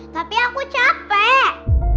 tapi aku capek